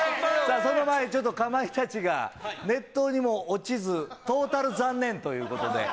その前にちょっと、かまいたちが、熱湯にも落ちず、トータル残念ということで。